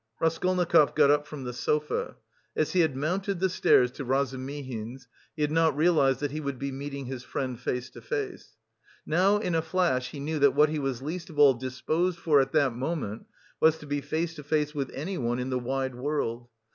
Raskolnikov got up from the sofa. As he had mounted the stairs to Razumihin's, he had not realised that he would be meeting his friend face to face. Now, in a flash, he knew, that what he was least of all disposed for at that moment was to be face to face with anyone in the wide world.